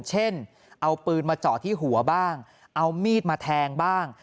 เช่นเอาปืนมาเจาะที่หัวบ้างเอามีดมาแทงบ้าง